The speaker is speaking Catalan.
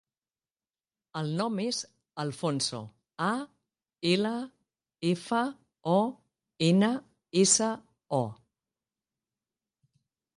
El nom és Alfonso: a, ela, efa, o, ena, essa, o.